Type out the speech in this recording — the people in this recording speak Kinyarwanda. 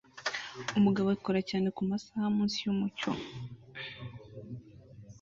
Umugabo akora cyane kumasaha munsi yumucyo